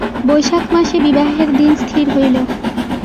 বৈশাখ মাসে বিবাহের দিন স্থির হইল।